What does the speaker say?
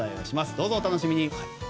どうぞ、お楽しみに。